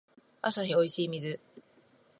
アサヒおいしい水